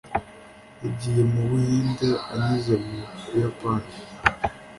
yagiye mu buhinde anyuze mu buyapani